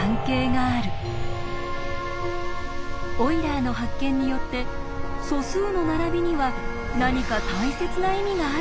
オイラーの発見によって「素数の並びには何か大切な意味があるかもしれない！」。